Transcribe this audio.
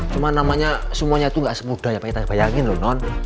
cuman namanya semuanya tuh gak semudah yang kita bayangin loh non